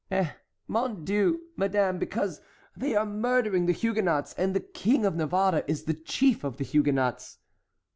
"Eh, mon Dieu! madame, because they are murdering the Huguenots, and the King of Navarre is the chief of the Huguenots."